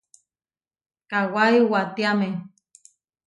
Kawái uwatiáme.